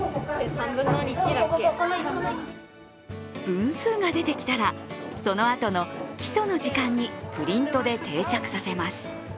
分数が出てきたら、そのあとの基礎の時間にプリントで定着させます。